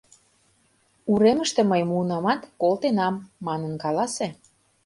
Уремыште мый муынамат, колтенам, манын каласе.